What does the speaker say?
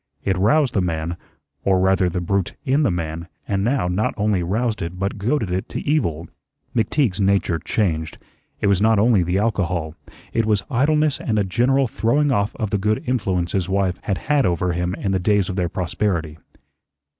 It roused the man, or rather the brute in the man, and now not only roused it, but goaded it to evil. McTeague's nature changed. It was not only the alcohol, it was idleness and a general throwing off of the good influence his wife had had over him in the days of their prosperity.